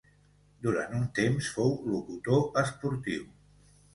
Durant un temps fou locutor esportiu.